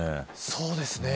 そうですね。